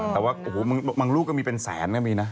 แต่ว่ามันลูกก็มีเป็นแสนก็มีนะ